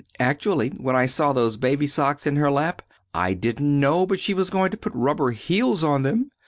Actually, when I saw those baby's socks in her lap, I didn't know but she was going to put rubber heels on them!